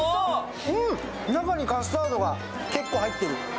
中にカスタードが結構入ってる。